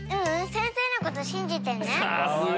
先生のこと信じてるね。